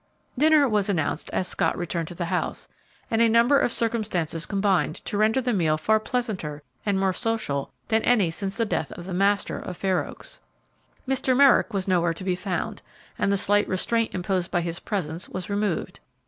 Dinner was announced as Scott returned to the house, and a number of circumstances combined to render the meal far pleasanter and more social than any since the death of the master of Fair Oaks. Mr. Merrick was nowhere to be found, and the slight restraint imposed by his presence was removed.